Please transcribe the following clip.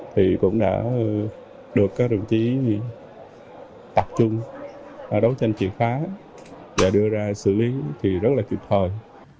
thì cũng đã được các đồng chí tập trung đấu tranh triệt phá và đưa ra xử lý thì rất là kịp thời